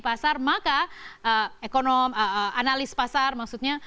pasar maka ekonomi analis pasar maksudnya